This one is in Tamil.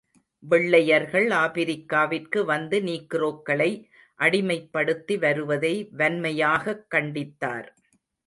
வெள்ளையர்கள் ஆப்பிரிக்காவிற்கு வந்து நீக்ரோக்களை அடிமைப்படுத்தி வருவதை வன்மையாகக் கண்டித்தார்.